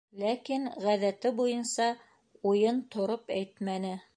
Ләкин, ғәҙәте буйынса, уйын тороп әйтмәне.